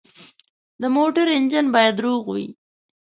د موټر انجن باید روغ وي.